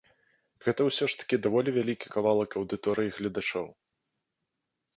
Гэта ўсё ж такі даволі вялікі кавалак аўдыторыі гледачоў.